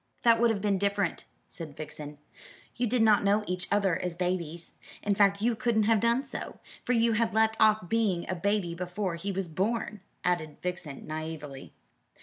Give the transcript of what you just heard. "That would have been different," said Vixen. "You did not know each other as babies. In fact you couldn't have done so, for you had left off being a baby before he was born," added Vixen naïvely.